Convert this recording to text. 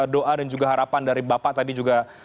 doa dan juga harapan dari bapak tadi juga